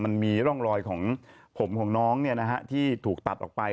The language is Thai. มันมีร่องรอยของผมของน้องที่ถูกตัดออกไป